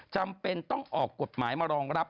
จำเป็นต้องออกกฎหมายมารองรับ